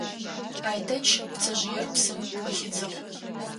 Айтэч пцэжъыер псым къыхидзыгъ.